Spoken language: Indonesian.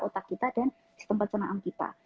otak kita dan sistem pencernaan kita